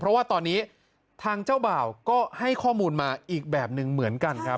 เพราะว่าตอนนี้ทางเจ้าบ่าวก็ให้ข้อมูลมาอีกแบบหนึ่งเหมือนกันครับ